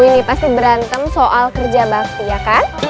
ini pasti berantem soal kerja bakti ya kan